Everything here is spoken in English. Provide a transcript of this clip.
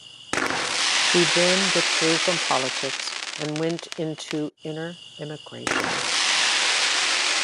He then withdrew from politics and went into "inner emigration".